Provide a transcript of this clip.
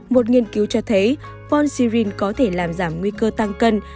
một nghiên cứu cho thấy polym có thể làm giảm nguy cơ tăng cân